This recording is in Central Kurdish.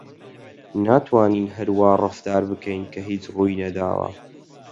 ناتوانین هەر وا ڕەفتار بکەین کە هیچ ڕووی نەداوە.